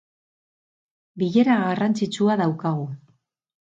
Bilera garrantzitsua daukagu